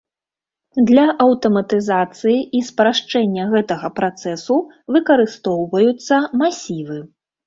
Для аўтаматызацыі і спрашчэння гэтага працэсу выкарыстоўваюцца масівы.